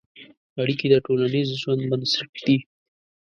اړیکې د ټولنیز ژوند بنسټ دي.